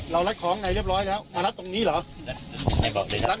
เราลัดของกันข้างในเรียบร้อยแล้ว